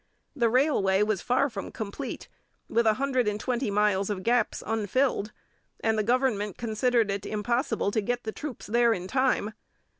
The railway was far from complete, with a hundred and twenty miles of gaps unfilled, and the government considered it impossible to get the troops in in time.